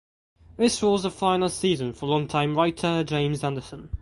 This was the final season for longtime writer James Anderson.